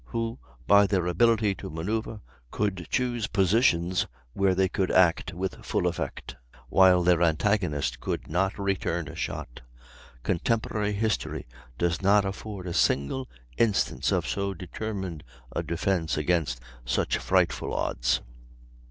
who by their ability to manoeuvre could choose positions where they could act with full effect, while their antagonist could not return a shot. Contemporary history does not afford a single instance of so determined a defence against such frightful odds.